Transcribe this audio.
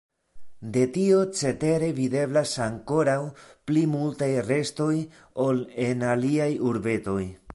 De tio cetere videblas ankoraŭ pli multaj restoj ol en aliaj urbetoj.